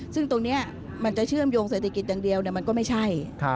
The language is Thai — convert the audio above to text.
ซึ่งตรงนี้มันจะเชื่อมโยงเศรษฐกิจอย่างเดียวมันก็ไม่ใช่